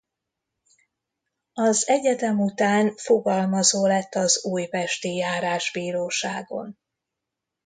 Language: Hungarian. Az egyetem után fogalmazó lett az újpesti járásbíróságon.